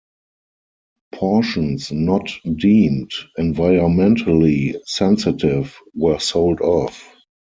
Portions not deemed environmentally sensitive were sold off.